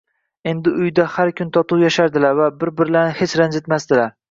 Endi uyda har kun totuv yashardilar va bir-birlarini hech ranjitmasdilar